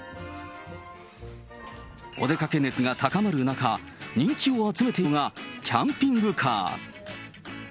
お出かけ熱が高まる中、人気を集めているのがキャンピングカー。